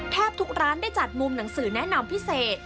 แทบทุกร้านได้จัดมุมหนังสือแนะนำพิเศษ